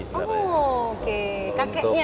oh oke kakeknya